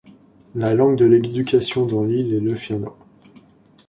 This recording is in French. La langue de l'éducation dans l'île est le finnois.